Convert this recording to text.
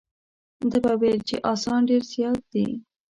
ده به ویل چې اسان ډېر زیات دي.